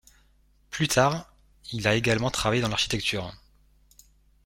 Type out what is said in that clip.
Plus tard, il a également travaillé dans l'architecture.